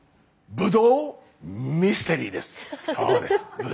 ブドウミステリー。